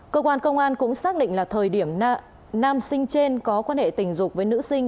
cơ quan công an cũng xác định là thời điểm nam sinh trên có quan hệ tình dục với nữ sinh